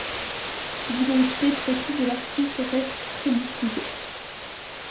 L'identité précise de l'artiste reste très disputée.